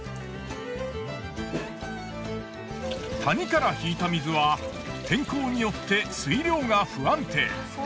谷から引いた水は天候によって水量が不安定。